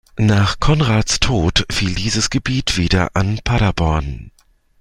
Nach Konrads Tod fiel dieses Gebiet wieder an Paderborn.